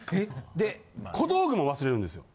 で小道具も忘れるんですよ。